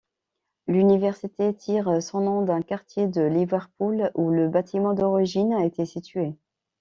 L'université tire son nom d'un quartier de Liverpool où le bâtiment d'origine était situé.